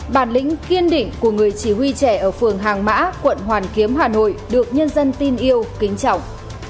bản lĩnh kiên định của người chỉ huy trẻ ở phường hàng mã quận hoàn kiếm hà nội được nhân dân tin yêu kính trọng